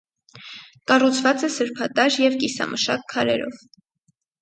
Կառուցուած է սրբատաշ եւ կիսամշակ քարերով։